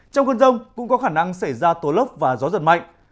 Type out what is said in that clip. trong cơn rông cũng có khả năng xảy ra tố lốc và gió giật mạnh